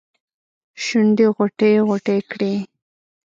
شونډې غوټې ، غوټې کړي